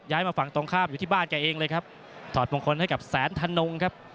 มาฝั่งตรงข้ามอยู่ที่บ้านแกเองเลยครับถอดมงคลให้กับแสนธนงครับ